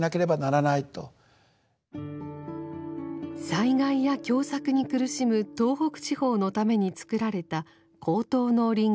災害や凶作に苦しむ東北地方のためにつくられた高等農林学校。